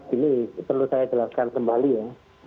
ini perlu saya jelaskan kembali ya